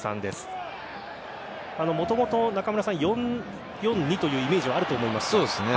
もともと４−４−２というイメージはあると思います。